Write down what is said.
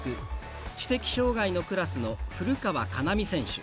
知的障がいのクラスの古川佳奈美選手。